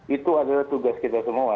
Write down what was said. itu adalah tugas kita semua